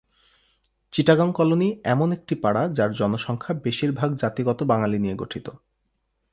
Chittagong colony এমন একটি পাড়া যার জনসংখ্যা বেশিরভাগ জাতিগত বাঙালি নিয়ে গঠিত।